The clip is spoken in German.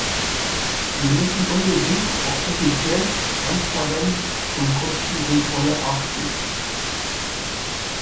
Wir müssen unbedingt auf Effizienz, Transparenz und Kostenkontrolle achten.